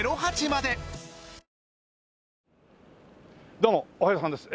どうもおはようさんです。